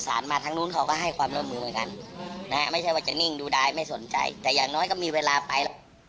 มาทางนู้นเขาก็ให้ความร่วมมือเหมือนกันนะฮะไม่ใช่ว่าจะนิ่งดูดายไม่สนใจแต่อย่างน้อยก็มีเวลาไปแล้ว